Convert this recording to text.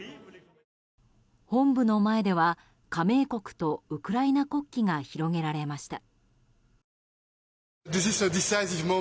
本部の前では加盟国とウクライナ国旗が広げられました。